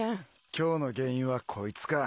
今日の原因はこいつか。